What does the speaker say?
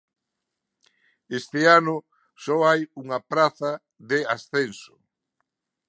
Este ano só hai unha praza de ascenso.